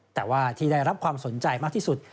แต่ว่าที่ได้รับความสนใจมากที่สุด